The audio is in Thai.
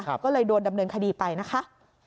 ก็เลยโดนดำเนินคดีไปนะคะ